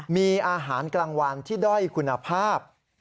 มีอาหารกลางวันที่ด้อยคุณภาพ